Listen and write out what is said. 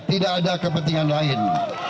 tidak ada kepentingan lain